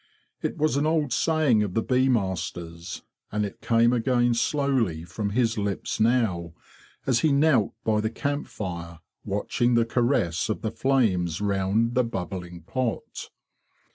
It was an old saying of the bee master's, and it came again slowly from his lips now, as he knelt by the camp fire, watching the caress of the flames round the bubbling pot.